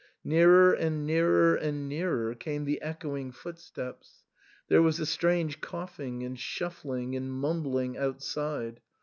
Nearer and nearer and nearer came the echoing footsteps. There was a strange coughing and shufSing and mumbling outside.